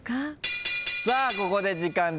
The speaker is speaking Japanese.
さあここで時間でございます。